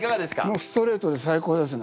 もうストレートで最高ですね。